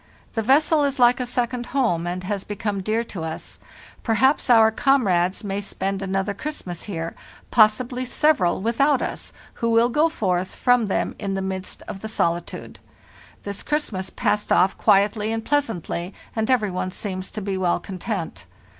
The vessel is like a second home, and has become dear to us. Per haps our comrades may spend another Christmas here, WE PREPARE FOR THE SLEDGE EXPEDITION 33 possibly several, without us who will go forth from them into the midst of the solitude. This Christmas passed off quietly and pleasantly, and every one seems to be well content.